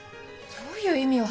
どういう意味よ？